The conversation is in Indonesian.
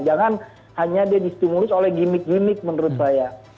jangan hanya dia distimulus oleh gimmick gimmick menurut saya